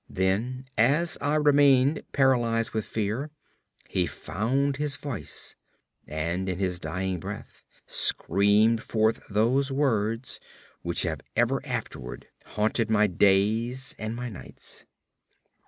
Then, as I remained, paralyzed with fear, he found his voice and in his dying breath screamed forth those words which have ever afterward haunted my days and my nights.